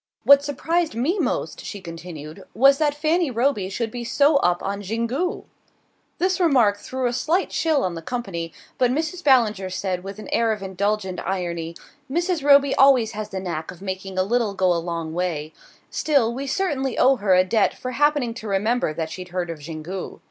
"What surprised me most," she continued, "was that Fanny Roby should be so up on Xingu." This remark threw a slight chill on the company, but Mrs. Ballinger said with an air of indulgent irony: "Mrs. Roby always has the knack of making a little go a long way; still, we certainly owe her a debt for happening to remember that she'd heard of Xingu."